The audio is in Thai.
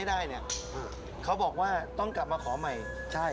ถ้าเกิดตอนนี้เอาคงไม่ให้